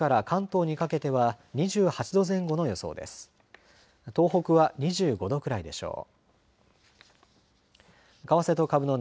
東北は２５度くらいでしょう。